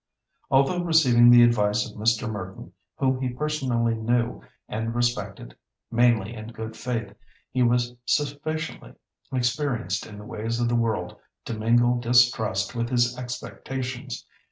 Although receiving the advice of Mr. Merton, whom he personally knew and respected, mainly in good faith, he was sufficiently experienced in the ways of the world to mingle distrust with his expectations.